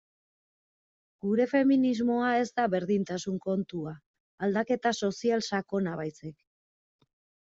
Gure feminismoa ez da berdintasun kontua, aldaketa sozial sakona baizik.